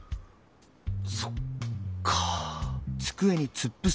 そっか。